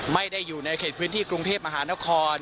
ไม่ได้อยู่ในเขตพื้นที่กรุงเทพมหานคร